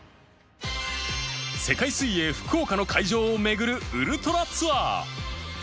世界水泳福岡の会場を巡るウルトラツアー